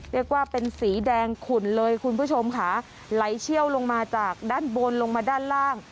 เรียกว่าเป็นสีแดงขุ่นเลยคุณผู้ชมค่ะไหลเชี่ยวลงมาจากด้านบนลงมาด้านล่าง